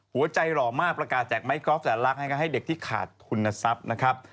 หล่อมากประกาศแจกไม้กอล์ฟแสนลักษณ์ให้เด็กที่ขาดทุนทรัพย์นะครับ